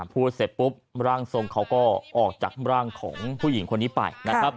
พูดเสร็จปุ๊บร่างทรงเขาก็ออกจากร่างของผู้หญิงคนนี้ไปนะครับ